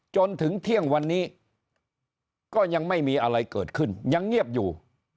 จนถึงเที่ยงวันนี้ก็ยังไม่มีอะไรเกิดขึ้นยังเงียบอยู่